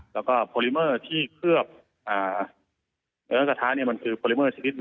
แล้วก็พอลิเมอร์ที่เคือบเนื้อกระทะเนี่ยมันจึงคือพอลิเมอร์ชีวิตไหน